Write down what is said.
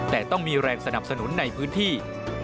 แต่ต้องมีแรงสนับสนุนในพื้นที่